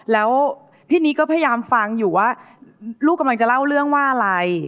แล้วพี่นิดก็พยายามฟังอยู่ว่าลูกกำลังจะเล่าเรื่องว่าอะไร